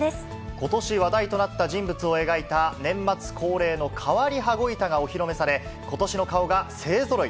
ことし話題となった人物を描いた、年末恒例の変わり羽子板がお披露目され、ことしの顔が勢ぞろい。